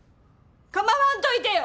構わんといてよ！